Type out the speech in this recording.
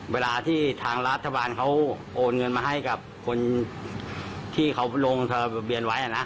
เวลาที่ทางรัฐบาลเขาโอนเงินมาให้กับคนที่เขาลงทะเบียนไว้นะ